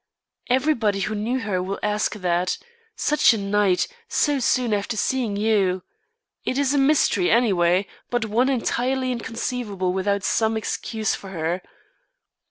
Everybody who knew her will ask that. Such a night! so soon after seeing you! It is a mystery any way, but one entirely inconceivable without some such excuse for her.